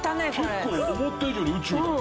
結構思った以上に宇宙だ。